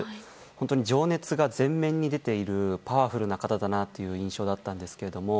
本当に情熱が前面に出ているパワフルな方だなっていう印象だったんですけれども。